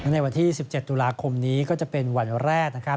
ในวันที่๑๗ตุลาคมนี้ก็จะเป็นวันแรกนะครับ